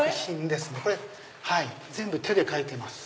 これ⁉全部手で描いてます。